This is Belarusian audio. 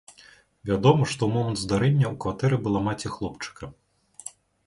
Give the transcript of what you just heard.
Вядома, што ў момант здарэння ў кватэры была маці хлопчыка.